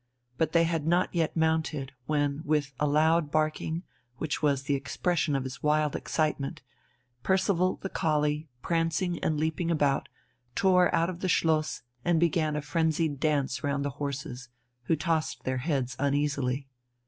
But they had not yet mounted when with a loud barking, which was the expression of his wild excitement, Percival, the collie, prancing and leaping about, tore out of the Schloss and began a frenzied dance round the horses, who tossed their heads uneasily....